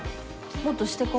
もっとしてこ。